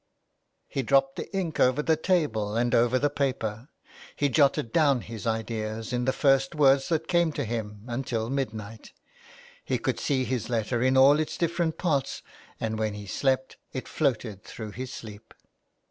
.. He dropped the ink over the table and over the paper, he jotted down his ideas in the first words that 182 A LETTER TO ROME. came to him until midnight ; he could see his letter in all its different parts, and when he slept it floated through his sleep.